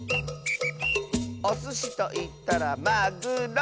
「おすしといったらまぐろ！」